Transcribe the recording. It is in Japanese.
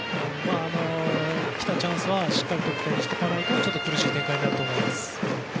来たチャンスはしっかり得点していかないとこのあと苦しい展開になると思います。